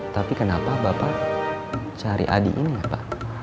tapi kenapa bapak cari adi ini ya pak